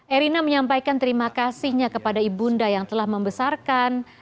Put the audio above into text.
erina menyampaikan terima kasihnya kepada ibunda yang telah membesarkan dia